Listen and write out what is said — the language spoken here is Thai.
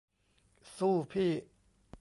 สู้พี่